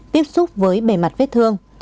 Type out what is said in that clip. tiếp xúc với bề mặt vết thương